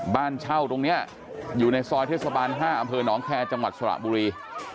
บ้านเช่าตรงนี้อยู่ในซอยเทศบาล๕อำเภอหนองแคร์จังหวัดสระบุรี